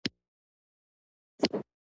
ختیځ تیمور د اندونیزیا څخه خپلواکي واخیسته.